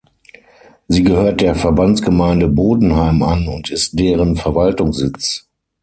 Sie gehört der Verbandsgemeinde Bodenheim an und ist deren Verwaltungssitz.